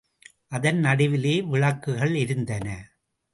அதன் நடுவிலே விளக்குகள் எரிந்தன.